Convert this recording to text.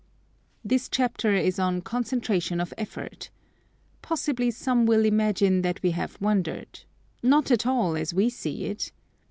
This chapter is on "Concentration of Effort". Possibly some will imagine that we have wandered; not at all, as we see it.